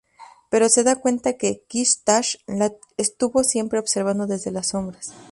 Pero se da cuenta que Kirtash la estuvo siempre observando desde las sombras.